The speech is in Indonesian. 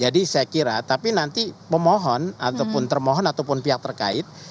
jadi saya kira tapi nanti pemohon ataupun termohon ataupun pihak terkait